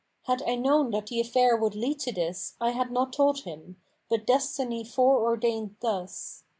Had I known that the affair would lead to this, I had not told him, but Destiny foreordained thus."